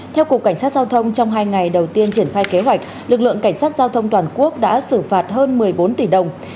theo cục cảnh sát giao thông trong hai ngày đầu tiên triển khai kế hoạch lực lượng cảnh sát giao thông toàn quốc đã xử phạt hơn một mươi bốn tỷ đồng